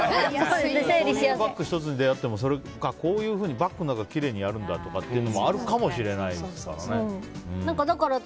バッグ１つにあってもこういうふうにバッグきれいにやるんだってあるかもしれないですからね。